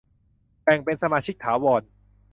แบ่งเป็นสมาชิกถาวร